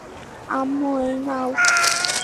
আম্মু, এই নাও!